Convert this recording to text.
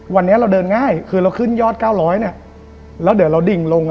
วันนี้เราเดินง่ายคือเราขึ้นยอด๙๐๐เนี่ยแล้วเดี๋ยวเราดิ่งลง